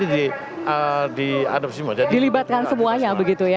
dilibatkan semuanya begitu ya